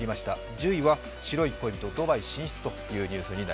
１０位は白い恋人、ドバイ進出というニュースです。